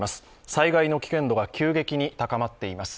災害の危険度が急激に高まっています。